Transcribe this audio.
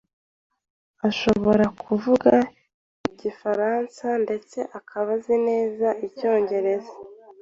Ashobora kuvuga igifaransa, ndetse akaba azi neza icyongereza.